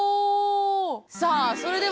さあそれでは。